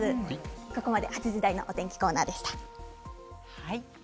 ここまで８時台のお天気コーナーでした。